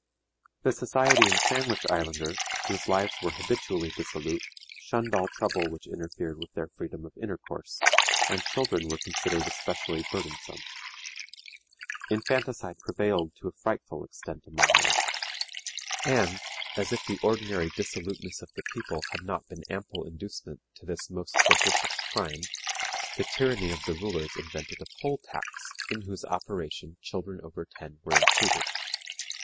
The Society and Sandwich Islanders, whose lives were habitually dissolute, shunned all trouble which interfered with their freedom of intercourse, and children were considered especially burdensome. Infanticide prevailed to a frightful extent among them, and, as if the ordinary dissoluteness of the people had not been ample inducement to this most flagitious crime, the tyranny of the rulers invented a poll tax, in whose operation children over ten were included.